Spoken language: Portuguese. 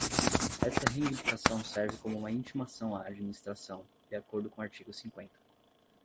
Esta reivindicação serve como uma intimação à administração, de acordo com o artigo cinquenta.